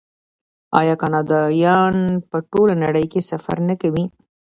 آیا کاناډایان په ټوله نړۍ کې سفر نه کوي؟